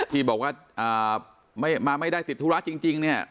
ที่บอกว่ามาไม่ได้ติดธุระจริงเนี่ย